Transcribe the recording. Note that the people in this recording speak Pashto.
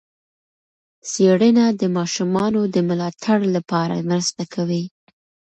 څېړنه د ماشومانو د ملاتړ لپاره مرسته کوي.